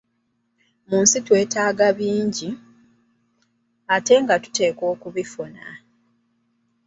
Mu nsi twetaaga bingi, ate nga tuteekwa okubifuna.